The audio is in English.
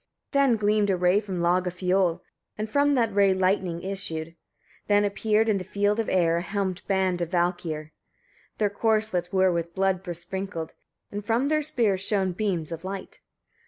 15. Then gleamed a ray from Logafioll, and from that ray lightnings issued; then appeared, in the field of air, a helmed band of Valkyriur: their corslets were with blood besprinkled, and from their spears shone beams of light.